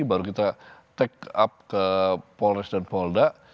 baru kita mengambil ke polres dan polda